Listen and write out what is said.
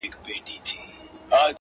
چي څه مستې جوړه سي لږه شانې سور جوړ سي’